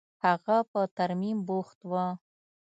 هغه په ترميم بوخت و.